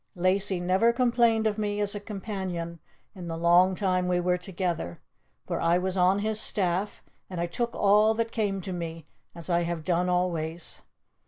Lacy never complained of me as a companion in the long time we were together, for I was on his staff, and I took all that came to me, as I have done always.